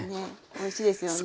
おいしいですよね。